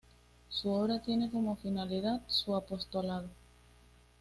Su obra tiene como finalidad su apostolado.